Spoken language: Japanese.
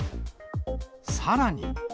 さらに。